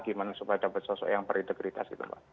gimana supaya dapat sosok yang berintegritas gitu mbak